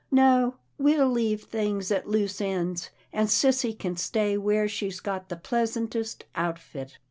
No, we'll leave things at loose ends, and sissy can stay where she's got the pleas antest outfit."